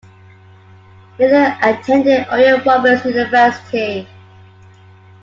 Miller attended Oral Roberts University.